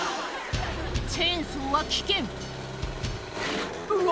チェーンソーは危険うわ！